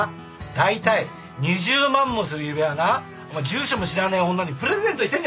大体２０万もする指輪をなお前住所も知らねえ女にプレゼントしてんじゃないよ馬鹿！